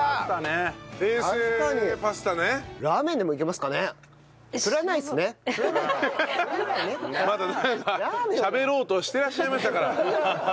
まだなんかしゃべろうとしていらっしゃいましたから。